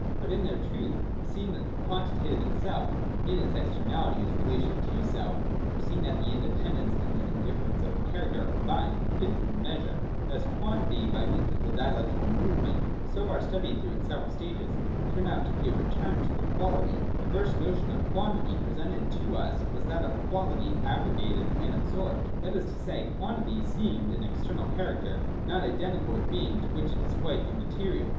But in their truth, seeing that the quantitative itself in its externality is relation to self, or seeing that the independence and the indifference of the character are combined, it is Measure. Thus quantity by means of the dialectical movement so far studied through its several stages, turns out to be a return to 200 THE DOCTRINE OF BEING. [io6. quality. The first notion of quantity presented to us was that of quahty abrogated and absorbed. That is to say, quantity seemed an external character not identical with Being, to which it is quite immaterial.